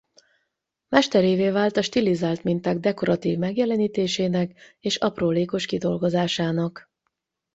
Mesterévé vált a stilizált minták dekoratív megjelenítésének és aprólékos kidolgozásának.